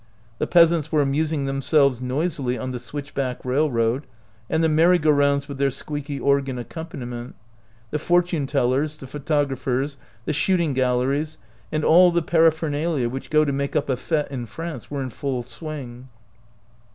The peasants were amusing themselves noisily on the switch back railroad, and the merry go rounds with their squeaky organ accompaniment. The fortune tellers, the photographers, the shoot ing galleries, and all the paraphernalia which go to make up a f£te in France were in full swing.